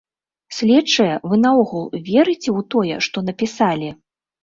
Следчыя, вы наогул верыце ў тое, што напісалі?